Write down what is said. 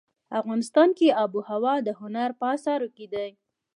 افغانستان کې آب وهوا د هنر په اثار کې دي.